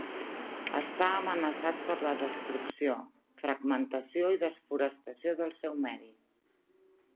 Està amenaçat per la destrucció, fragmentació i desforestació del seu medi.